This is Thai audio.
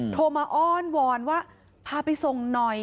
โทรมาอ้อนวอนว่าพาไปส่งหน่อย